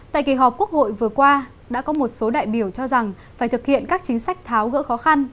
tại kỳ họp quốc hội vừa qua đã có một số đại biểu cho rằng phải thực hiện các chính sách tháo gỡ khó khăn